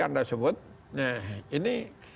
anda sebut ini